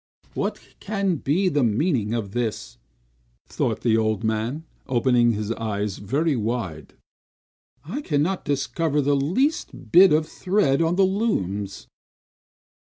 "What can be the meaning of this?" thought the old man, opening his eyes very wide. "I cannot discover the least bit of thread on the looms."